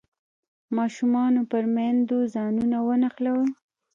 ماشومانو پر میندو ځانونه ونښلول.